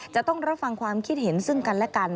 จะต้องรับฟังความคิดเห็นซึ่งกันและกัน